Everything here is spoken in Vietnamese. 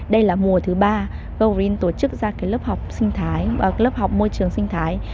đây là mùa thứ ba go green tổ chức ra lớp học sinh thái lớp học môi trường sinh thái